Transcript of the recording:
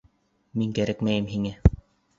Мин кәрәкмәйем һиңә!